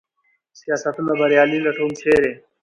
سیاستونه بریالي لټوم ، چېرې ؟